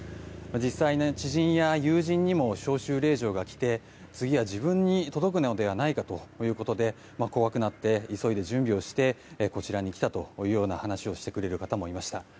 実際、知人や友人にも招集令状がきて次は自分に届くのではないかということで怖くなって、急いで準備をしてこちらに来たというような話をしてくれる方もいました。